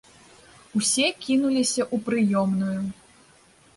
Усе кінуліся ў прыёмную.